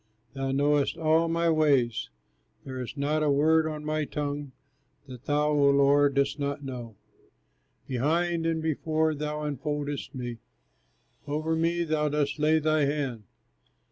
Thou knowest all my ways. There is not a word on my tongue That thou, O Lord, dost not know! Behind and before thou enfoldest me, Over me thou dost lay thy hand.